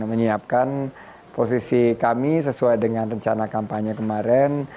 menyiapkan posisi kami sesuai dengan rencana kampanye kemarin